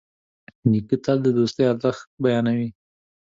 نیکه تل د دوستي ارزښت بیانوي.